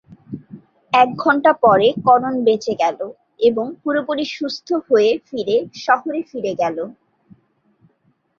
এক ঘণ্টা পরে করণ বেঁচে গেল এবং পুরোপুরি সুস্থ হয়ে ফিরে শহরে ফিরে গেল।